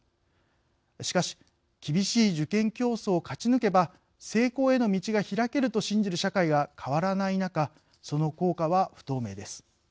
しかし厳しい受験競争を勝ち抜けば成功への道が開けると信じる社会が変わらない中その効果は不透明です。